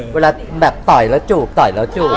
เวลาแบบต่อยแล้วจูบต่อยแล้วจูบ